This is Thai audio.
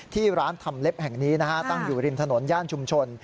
ที่ร้านทำเล็บแห่งนี้นะฮะตั้งอยู่ริมถนนย่านชุมชน